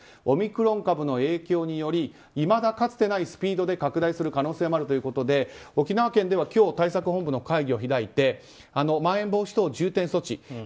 オミクロン株の影響によりいまだかつてないスピードで拡大する可能性もあるということで沖縄県では今日、対策本部の会議を開いてまん延防止等重点措置